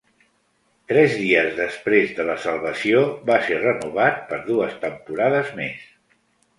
Tres dies després de la salvació, va ser renovat per dues temporades més.